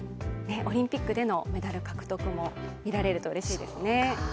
オリンピックでのメダル獲得も見られるとうれしいですね。